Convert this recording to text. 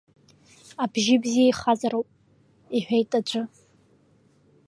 Абжьы бзиа ихазароуп, – иҳәеит аӡәы.